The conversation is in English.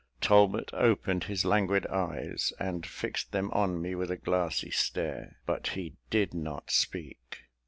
Talbot opened his languid eyes, and fixed them on me with a glassy stare; but he did not speak.